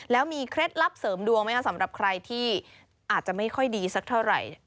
แล้วมีเคล็ดลับเสริมดวงไหมคะสำหรับใครที่อาจจะไม่ค่อยดีสักเท่าไหร่